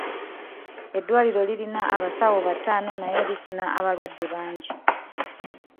Eddwaliro lirina abasawo batono naye lifuna abalwadde bangi.